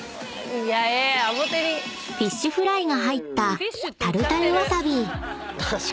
［フィッシュフライが入ったタルタルｗａｓａｂｉ］